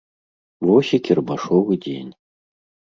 Вось і кірмашовы дзень.